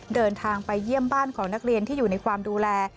เดินทางไปเยี่ยมบ้านของนักเรียนที่อยู่ในความดูแล